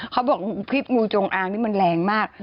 เขาบอกพิษงูจงอางนี่มันแรงมาก